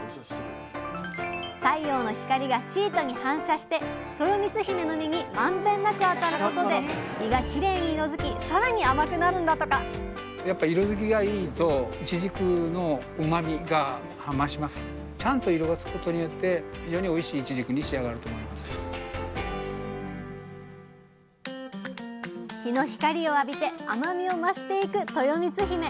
太陽の光がシートに反射してとよみつひめの実にまんべんなく当たることで実がきれいに色づきさらに甘くなるんだとか日の光を浴びて甘みを増していくとよみつひめ。